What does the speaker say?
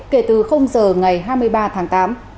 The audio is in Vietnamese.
kể từ giờ ngày hai mươi ba tháng tám